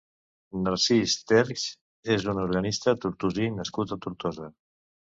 Narcís Terx és un organista tortosí nascut a Tortosa.